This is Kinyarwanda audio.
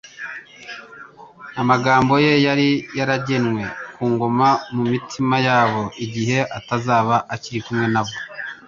Amagambo ye yari yaragenewe kuguma mu mitima yabo, igihe atazaba akiri kumwe nabo.